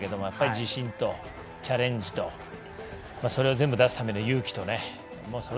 自信とチャレンジとそれを全部出すための勇気とね。